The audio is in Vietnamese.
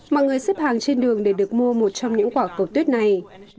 mọi người xếp hàng trên đường để được mua một trong những quả cầu tuyết này